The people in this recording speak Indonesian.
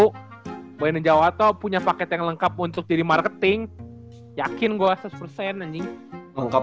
itu boleh di jawa atau punya paket yang lengkap untuk diri marketing yakin gua seratus ini lengkap